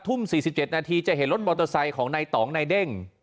ทุ่ม๔๗นาทีจะเห็นรถมอเตอร์ไซค์ของนายตองนายเด้ง